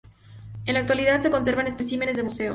En la actualidad se conservan especímenes de museo.